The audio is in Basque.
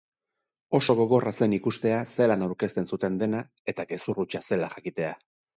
Oso gogorra zen ikustea zelan aurkezten zuten dena eta gezur hutsa zela jakitea.